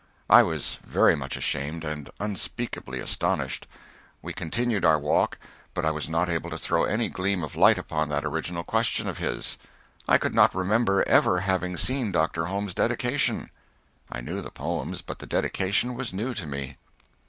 I was very much ashamed, and unspeakably astonished. We continued our walk, but I was not able to throw any gleam of light upon that original question of his. I could not remember ever having seen Dr. Holmes's dedication. I knew the poems, but the dedication was new to me.